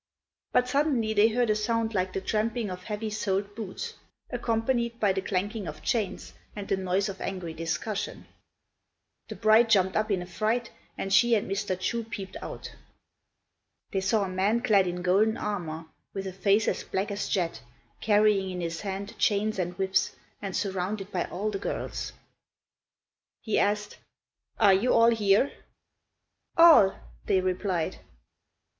But suddenly they heard a sound like the tramping of heavy soled boots, accompanied by the clanking of chains and the noise of angry discussion. The bride jumped up in a fright, and she and Mr. Chu peeped out. They saw a man clad in golden armour, with a face as black as jet, carrying in his hand chains and whips, and surrounded by all the girls. He asked, "Are you all here?" "All," they replied.